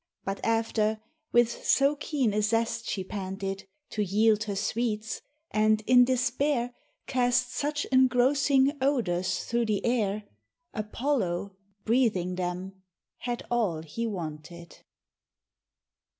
But after, with so keen a zest she panted To yield her sweets, and, in despair, Cast such engrossing odours through the air, Apollo, breathing them, had all he wanted.